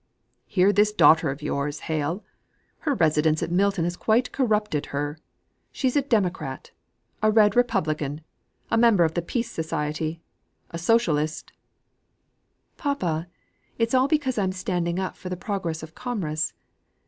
"Hear this daughter of yours, Hale! Her residence in Milton has quite corrupted her. She's a democrat, a red republican, a member of the Peace Society, a socialist " "Papa, it's all because I'm standing up for the progress of commerce.